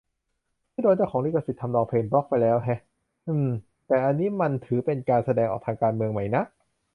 นี่โดนเจ้าของลิขสิทธิ์ทำนองเพลงบล็อคไปแล้วแฮะ อืมมม แต่อันนี้มันถือเป็นการแสดงออกทางการเมืองไหมนะ